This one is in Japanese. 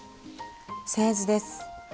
製図です。